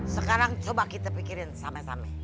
sekarang coba kita pikirin samai samai